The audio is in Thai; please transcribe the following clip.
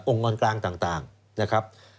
กรกลางต่างนะครับ